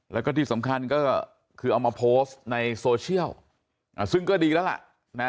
แล้วก็ที่สำคัญก็คือเอามาโพสต์ในโซเชียลซึ่งก็ดีแล้วล่ะ